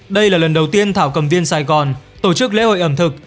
đây là lần đầu tiên thảo cầm viên sài gòn tổ chức lễ hội ẩm thực